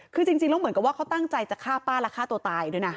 คือจริงแล้วเหมือนกับว่าเขาตั้งใจจะฆ่าป้าและฆ่าตัวตายด้วยนะ